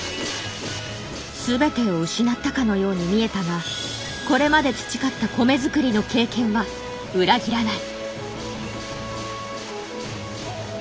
全てを失ったかのように見えたがこれまで培った米作りの経験は裏切らない。